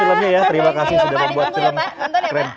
terima kasih ya terima kasih sudah membuat film keren